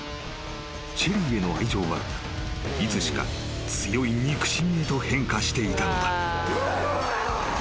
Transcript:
［シェリーへの愛情はいつしか強い憎しみへと変化していたのだ］